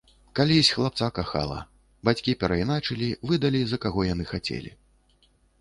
Калісь хлапца кахала, бацькі перайначылі, выдалі, за каго яны хацелі.